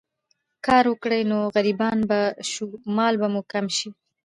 کار وکړو نو غريبان به شو، مال به مو کم شي